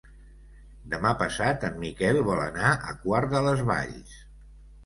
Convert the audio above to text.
Demà passat en Miquel vol anar a Quart de les Valls.